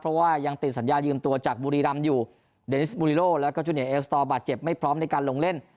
เพราะว่ายังติดสัญญายืมตัวจากบุรีรำอยู่เดนิสบูริโลแล้วก็จูเนียเอลสตอร์บาดเจ็บไม่พร้อมในการลงเล่น